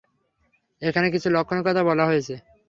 এখানে কিছু লক্ষণের কথা বলা হয়েছে!